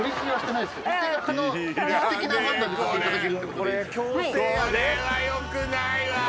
これはよくないわ。